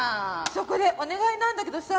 そこでお願いなんだけどさ